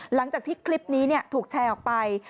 หลังจากที่คลิปนี้ถูกแชร์ออกไป